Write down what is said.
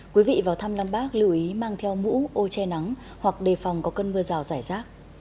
quý vị vào thăm nam bác lưu ý mang theo mũ ô che nắng hoặc đề phòng có cơn mưa rào rải rác